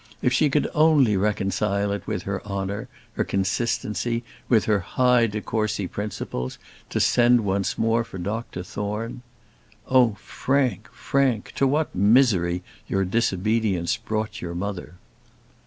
If she could only reconcile it with her honour, her consistency, with her high de Courcy principles, to send once more for Dr Thorne. Oh, Frank! Frank! to what misery your disobedience brought your mother!